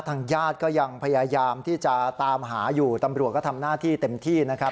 ทางญาติก็ยังพยายามที่จะตามหาอยู่ตำรวจก็ทำหน้าที่เต็มที่นะครับ